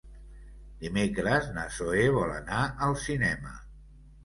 Dimecres na Zoè vol anar al cinema.